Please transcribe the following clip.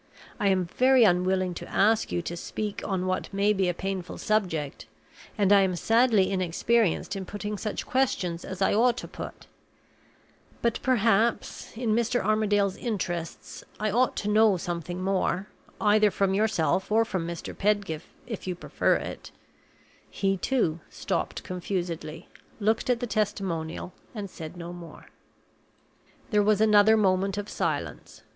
I am very unwilling to ask you to speak on what may be a painful subject, and I am sadly inexperienced in putting such questions as I ought to put; but, perhaps, in Mr. Armadale's interests, I ought to know something more, either from yourself, or from Mr. Pedgift, if you prefer it " He, too, stopped confusedly, looked at the testimonial, and said no more. There was another moment of silence.